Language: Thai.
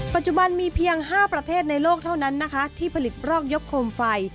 ปัจจุบันมีเพียง๕ประเทศในโลกเท่านั้นนะคะที่ผลิตรอกยกโคมไฟ